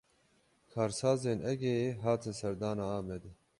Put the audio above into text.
Karsazên Egeyî, hatin serdana Amedê